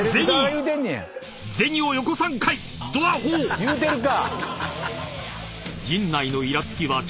言うてるか！